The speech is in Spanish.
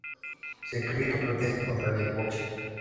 Se cree que protege contra la hipoxia.